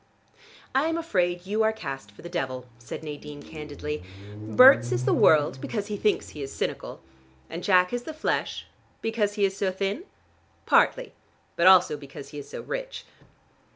"I am afraid you are cast for the devil," said Nadine candidly. "Berts is the world because he thinks he is cynical. And Jack is the flesh " "Because he is so thin?" "Partly. But also because he is so rich."